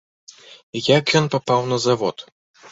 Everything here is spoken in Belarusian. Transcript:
Як ён папаў на завод?